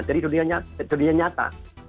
dari dunia nyata